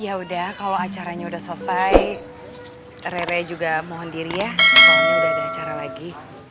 ya udah kalau acaranya sudah selesai rere juga mohon diri ya soalnya sudah ada acara lagi